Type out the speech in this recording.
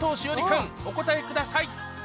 君お答えください